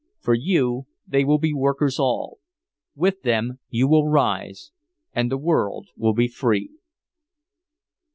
For you they will be workers all. With them you will rise and the world will be free."